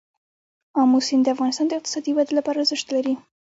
آمو سیند د افغانستان د اقتصادي ودې لپاره ارزښت لري.